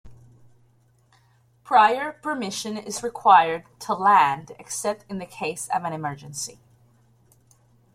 Prior permission is required to land except in the case of an emergency.